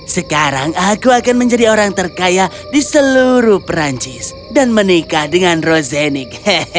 sekarang aku akan menjadi orang terkaya di seluruh perancis dan menikah dengan rosenik